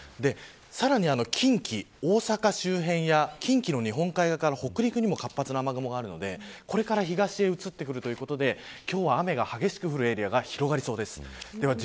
さらに近畿、大阪周辺や近畿の日本海側から北陸にも活発な雨雲があるのでこれから東へ移ってくるということで今日は雨が激しく降るエリアが広がりそうです。